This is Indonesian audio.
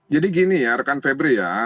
jadi gini ya rekan febri ya